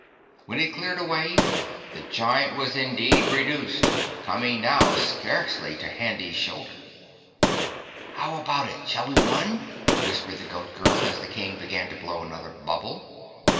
When it cleared away, the Giant was indeed reduced, coming now scarcely to Handy's shoulder. "How about it, shall we run?" whispered the Goat Girl as the King began to blow another bubble.